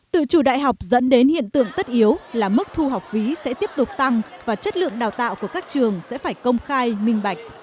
tự chủ đại học dẫn đến hiện tượng tất yếu là mức thu học phí sẽ tiếp tục tăng và chất lượng đào tạo của các trường sẽ phải công khai minh bạch